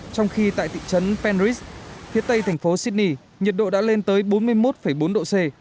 trong khi tại thị trấn panris phía tây thành phố sydney nhiệt độ đã lên tới bốn mươi một bốn độ c